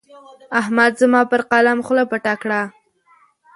احمد زما پر قلم خوله پټه کړه.